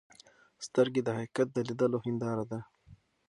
سترګې د حقیقت د لیدلو هنداره ده.